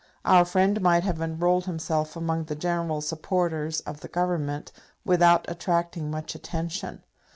Our friend might have enrolled himself among the general supporters of the Government without attracting much attention.